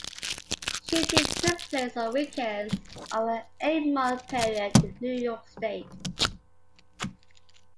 Shooting took place on weekends over an eight-month period in New York State.